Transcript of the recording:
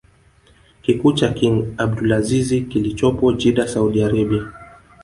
kikuu cha king Abdulazizi kilichopo Jidda Saudi Arabia